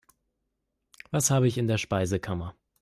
Was habe ich in der Speisekammer?